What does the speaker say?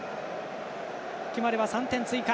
決まれば３点追加。